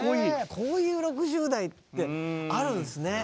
こういう６０代ってあるんですね。